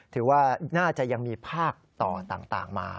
ถือว่าน่าจะยังมีภาคต่อต่างมา